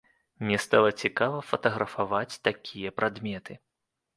Мне стала цікава фатаграфаваць такія прадметы.